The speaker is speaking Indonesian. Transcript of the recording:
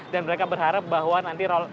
dan mereka berharap bahwa nanti